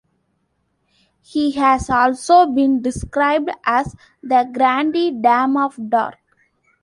He has also been described as "the grande dame of drag".